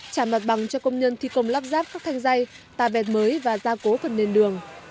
trả mặt bằng cho công nhân thi công lắp ráp các thanh dây tà vẹt mới và gia cố phần nền đường